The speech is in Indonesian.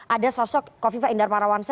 ada sosok kofifa indar parawansa